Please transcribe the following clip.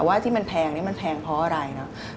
ว่าที่มันแพงนี่มันแพงเพราะอะไรเนอะ